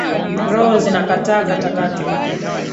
Roho zinakataa katakata